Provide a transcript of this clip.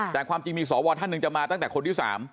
แต่ความจริงมีสวท่านหนึ่งจะมาตั้งแต่คนที่๓